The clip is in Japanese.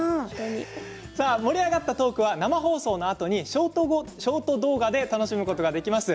盛り上がったトークは生放送のあとにショート動画で楽しむことができます。